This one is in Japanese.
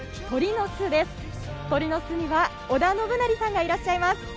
鳥の巣には織田信成さんがいらっしゃいます。